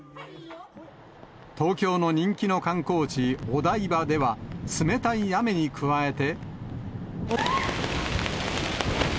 東京の人気の観光地、お台場では、冷たい雨に加えて。